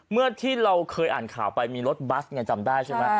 เมื่อที่เราเคยอ่านข่าวไปมีรถบัสไงจำได้ใช่ไหม